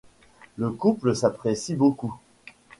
Le couple s'apprécie beaucoup.